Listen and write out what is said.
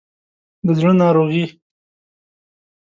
د زړه ناروغي